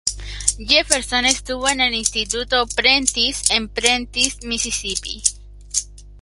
Jefferson estuvo en el instituto Prentiss en Prentiss, Misisipi.